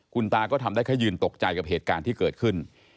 คุณตาก็ทำได้แค่ยืนตกใจกับเหตุการณ์ที่เกิดขึ้น